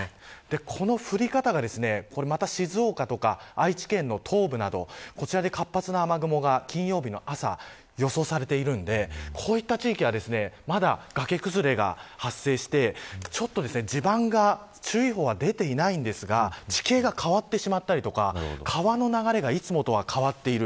この降り方が静岡とか愛知県の東部などこちらで活発な雨雲が金曜日の朝予想されているのでこういった地域はまだ崖崩れが発生して地盤が、注意報が出てはいないんですが地形が変わってしまったりとか川の流れがいつもとは変わっている。